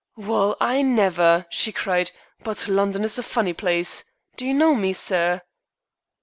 "Well, I never," she cried, "but London is a funny place. Do you know me, sir?"